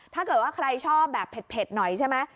ถ้าเกิดว่าใครชอบแบบเผ็ดหน่อยใช่ไหม